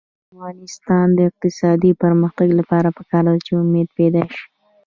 د افغانستان د اقتصادي پرمختګ لپاره پکار ده چې امید پیدا شي.